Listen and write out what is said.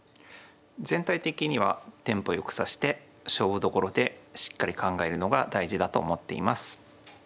全体的にはテンポよく指して勝負どころでしっかり考えるのが大事だと思っています。